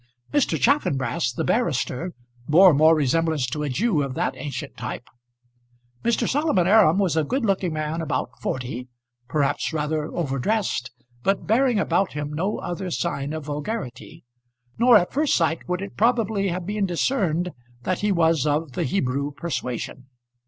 Mr. Chaffanbrass, the barrister, bore more resemblance to a Jew of that ancient type. Mr. Solomon Aram was a good looking man about forty, perhaps rather over dressed, but bearing about him no other sign of vulgarity. Nor at first sight would it probably have been discerned that he was of the Hebrew persuasion.